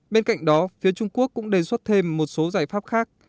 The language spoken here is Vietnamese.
bên cạnh đó phía trung quốc cũng đề xuất thêm một số giải pháp khác